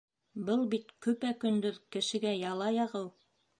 Был бит көпә-көндөҙ кешегә яла яғыу!